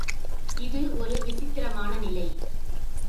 இது ஒரு விசித்திரமான நிலை.